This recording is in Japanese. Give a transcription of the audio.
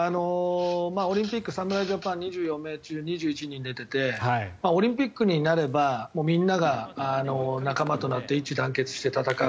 オリンピック侍ジャパン２４名中２１人出ててオリンピックになればみんなが仲間となって一致団結して戦う。